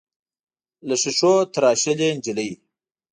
له ښیښو تراشلې نجلۍ.